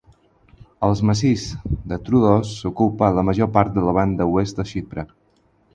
El massís del Tróodos ocupa la major part de la banda oest de Xipre.